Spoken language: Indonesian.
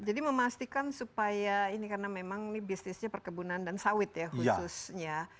jadi memastikan supaya ini karena memang ini bisnisnya perkebunan dan sawit ya khususnya